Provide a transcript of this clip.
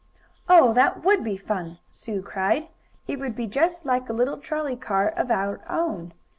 "Oh, that would be fun!" Sue cried. "It would be just like a little trolley car of out own.